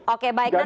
oke baik nanti